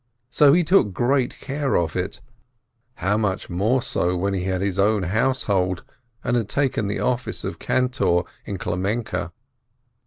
So he took great care of it — how much more so when he had his own house hold, and had taken the office of cantor in Klemenke!